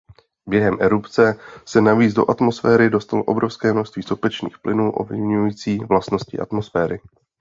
Během erupce se navíc do atmosféry dostalo obrovské množství sopečných plynů ovlivňující vlastnosti atmosféry.